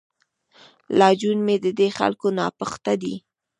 لا جنون مې ددې خلکو ناپخته دی.